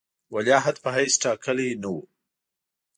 ولیعهد په حیث ټاکلی نه وو.